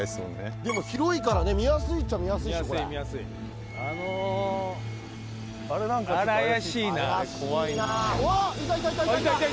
でも広いからね、見やすいっちゃ見やすいから。